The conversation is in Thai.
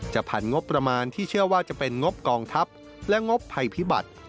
ผ่านงบประมาณที่เชื่อว่าจะเป็นงบกองทัพและงบภัยพิบัติ